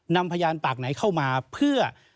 นำพยานปากไหนเข้ามาเพื่อ